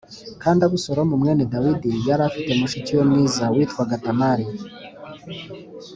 Kandi Abusalomu mwene Dawidi yari afite mushiki we mwiza witwaga Tamari.